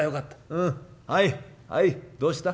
うんはいはいどうした？